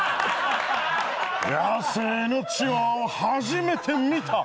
野生のチワワは初めて見た。